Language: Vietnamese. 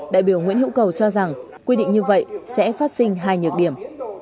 đại biểu nguyễn hữu cầu cho rằng quy định như vậy sẽ phát sinh hai nhược điểm